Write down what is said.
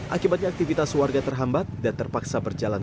akibatnya aktivitas warga terhambat dan terpaksa berjalan